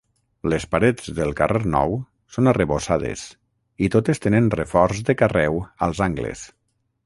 Les parets del carrer Nou són arrebossades, i totes tenen reforç de carreu als angles.